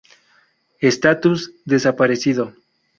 Estatus: Desaparecido.